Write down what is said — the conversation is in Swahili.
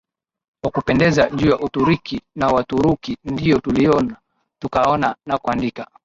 wa kupendeza juu ya Uturuki na Waturuki ndio tuliona tukaona na kuandika